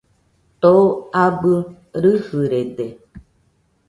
Too abɨ rɨjɨrede